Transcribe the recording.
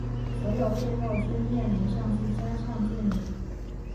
所有被告均面临上述三项罪名。